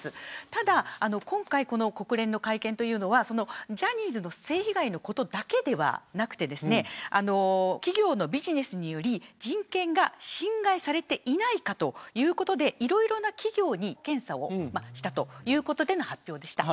ただ、今回国連の会見というのはジャニーズの性被害のことだけではなくて企業のビジネスにより人権が侵害されていないかということでいろいろな企業に検査をしたということでの発表でした。